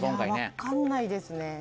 分かんないですね。